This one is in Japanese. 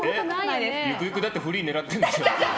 ゆくゆくはフリー狙ってるんでしょ？